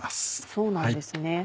そうなんですね。